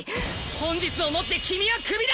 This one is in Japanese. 本日をもって君はクビだ！